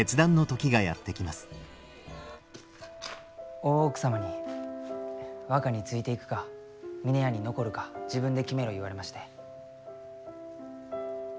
大奥様に若についていくか峰屋に残るか自分で決めろ言われまして。